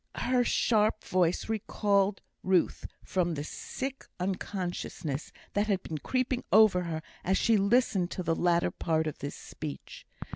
Her sharp voice recalled Ruth from the sick unconsciousness that had been creeping over her as she listened to the latter part of this speech.